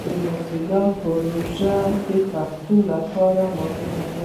موزیلا پروژه د پښتو لپاره مهمه ده.